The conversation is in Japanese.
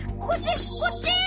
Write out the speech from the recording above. こっち！